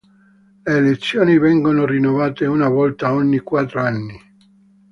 Le elezioni vengono rinnovate una volta ogni quattro anni.